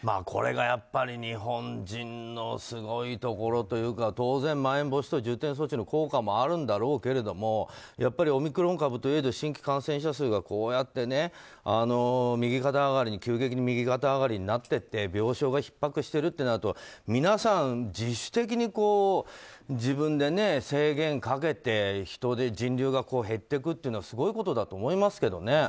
これがやっぱり日本人のすごいところというか当然まん延防止等重点措置の効果もあるんだろうけれどもやっぱりオミクロン株といえど新規感染者数がこうやって急激に右肩上がりになっていって病床がひっ迫しているとなると皆さん、自主的に自分で制限かけて人出、人流が減っていくというのはすごいことだと思いますけどね。